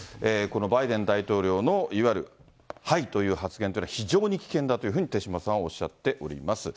このバイデン大統領の、いわゆる、はいという発言というのは非常に危険だというふうに、手嶋さんはおっしゃっております。